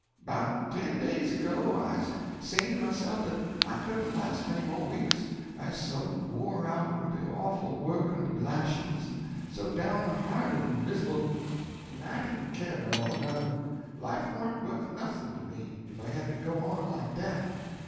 "'Bout ten days ago I 'uz sayin' to myself dat I couldn't las' many mo' weeks I 'uz so wore out wid de awful work en de lashin's, en so downhearted en misable. En I didn't care no mo', nuther life warn't wuth noth'n' to me, if I got to go on like dat.